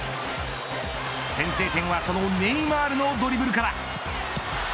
先制点はそのネイマールのドリブルから。